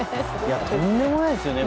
とんでもないですよね。